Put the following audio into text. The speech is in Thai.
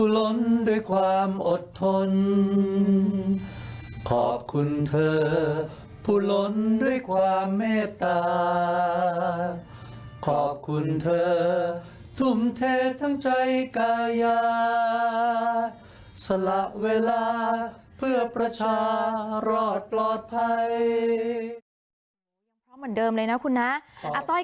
รอดปลอดภัย